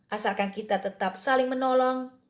asalkan kita tetap saling menolong